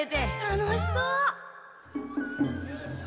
楽しそう！